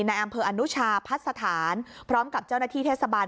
ในอำเภออนุชาพัฒน์สถานพร้อมกับเจ้าหน้าที่เทศบาล